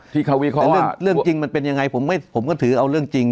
แต่เรื่องจริงมันเป็นยังไงผมก็ถือเอาเรื่องจริง